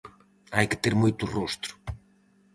Hai que ter moito Rostro...